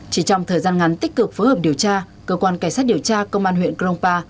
chỉ trong thời gian ngắn tích cực phối hợp điều tra cơ quan cảnh sát điều tra công an huyện krongpa